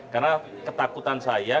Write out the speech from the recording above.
karena ketakutan saya